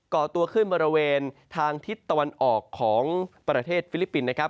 ่อตัวขึ้นบริเวณทางทิศตะวันออกของประเทศฟิลิปปินส์นะครับ